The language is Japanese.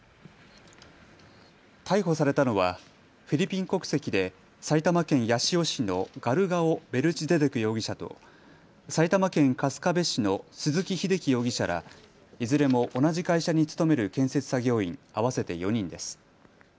逮捕されたのはフィリピン国籍で埼玉県八潮市のガルガオ・メルチゼデク容疑者と埼玉県春日部市の鈴木英樹容疑者らいずれも同じ会社に勤める建設作業員合わせて４人です。